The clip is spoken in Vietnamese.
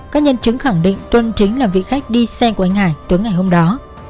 các nhân chứng khẳng định tuân chính là vị khách đi xe của anh hải tới ngày hôm đó